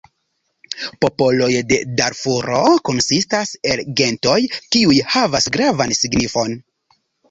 Popoloj de Darfuro konsistas el gentoj, kiuj havas gravan signifon.